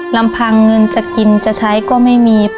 ลำพังเงินจะกินจะใช้ก็ไม่มี